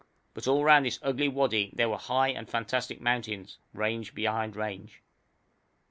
But all round this ugly wadi there were high and fantastic mountains, range behind range.